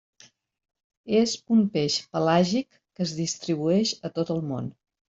És un peix pelàgic que es distribueix a tot el món.